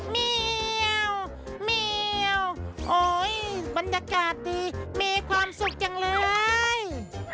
เมียวเมียวโอ๊ยบรรยากาศดีมีความสุขจังเลย